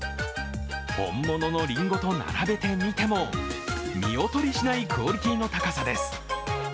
本物のりんごと並べてみても、見劣りしないクオリティーの高さです。